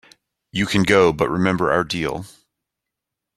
You can go, but remember our deal.